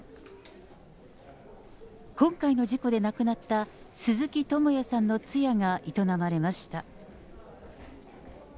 今回の事故で亡くなった鈴木智也さんの通夜が営まれました。